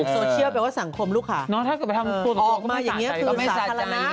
โซเชียลแปลว่าสังคมลูกค่ะออกมาอย่างนี้คือสาธารณะถ้าจะไปทำตัวตัวก็ไม่สะใจ